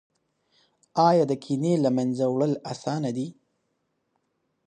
ایا د کینې له منځه وړل اسانه دي؟